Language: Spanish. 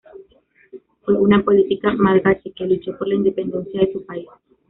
Fue una política malgache que luchó por la independencia de su país.